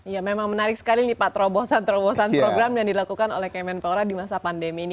ya memang menarik sekali nih pak terobosan terobosan program yang dilakukan oleh kemenpora di masa pandemi ini